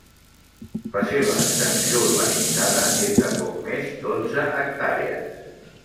La seva extensió urbanitzada és de poc més d'onze hectàrees.